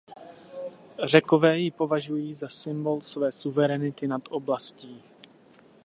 Řekové ji považují za symbol své suverenity nad oblastí.